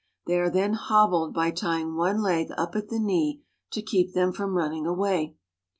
They are then hobbled by tying one leg up at the knee, to keep them from running away.